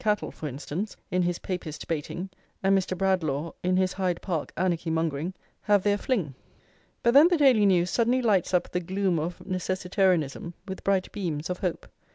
Cattle, for instance, in his Papist baiting, and Mr. Bradlaugh in his Hyde Park anarchy mongering, have their fling. But then the Daily News suddenly lights up the gloom of necessitarianism with bright beams of hope.